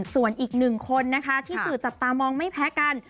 ส่วนอีกหนึ่งคนนะคะที่สื่อจับตามองไม่แพ้กัน